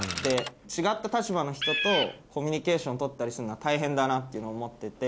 違った立場の人とコミュニケーション取ったりするのは大変だなって思ってて。